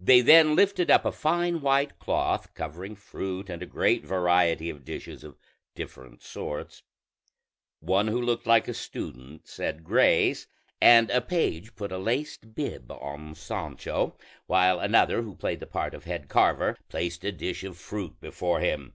They then lifted up a fine white cloth covering fruit and a great variety of dishes of different sorts; one who looked like a student said grace, and a page put a laced bib on Sancho, while another who played the part of head carver placed a dish of fruit before him.